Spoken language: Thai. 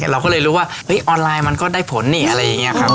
เราก็เลยรู้ว่าออนไลน์มันก็ได้ผลนี่อะไรอย่างนี้ครับ